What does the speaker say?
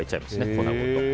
粉ごと。